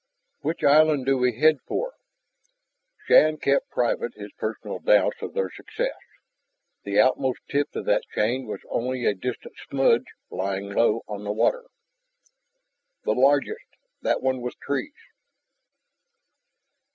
"Which island do we head for?" Shann kept private his personal doubts of their success. The outmost tip of that chain was only a distant smudge lying low on the water. "The largest ... that one with trees."